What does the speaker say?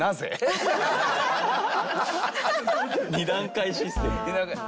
２段階システム。